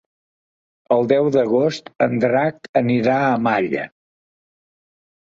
El deu d'agost en Drac anirà a Malla.